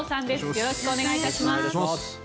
よろしくお願いします。